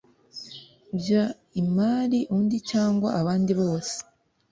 By imari undi cyangwa abandi bose